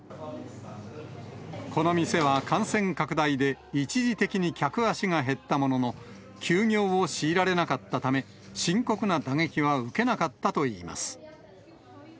この店は感染拡大で一時的に客足が減ったものの、休業を強いられなかったため、深刻な打撃は受けなかったといいます。